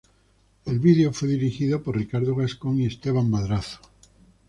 El video fue dirigido por Ricardo Gascón y Esteban Madrazo.